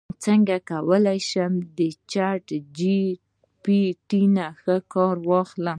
څنګه کولی شم د چیټ جی پي ټي ښه کار واخلم